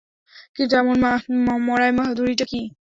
কিন্তু, এমন মরায় বাহাদুরিটা কী।